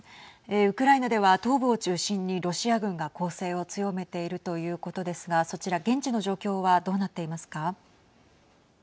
ウクライナでは東部を中心にロシア軍が攻勢を強めているということですがそちら現地の状況はどうなっていますか。